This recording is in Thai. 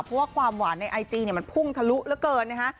เพราะว่าความหวานในไอจีมันพุ่งทะลุเหลือเกินนะคะ